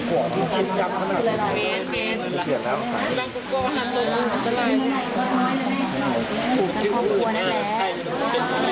ตอนนี้ก็ไม่มีเวลาให้กลับมาเที่ยวกับเวลา